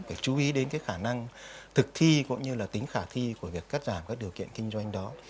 phải chú ý đến cái khả năng thực thi cũng như là tính khả thi của việc cắt giảm các điều kiện kinh doanh đó